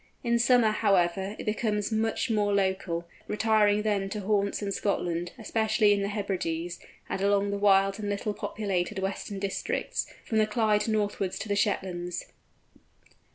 In summer, however, it becomes much more local, retiring then to haunts in Scotland, especially in the Hebrides and along the wild and little populated western districts, from the Clyde northwards to the Shetlands.